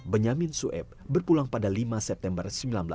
benyamin sueb berpulang pada lima september seribu sembilan ratus empat puluh